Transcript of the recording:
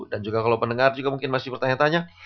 dan juga kalau pendengar juga mungkin masih bertanya tanya